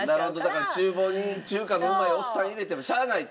だから厨房に中華のうまいおっさん入れてもしゃあないと。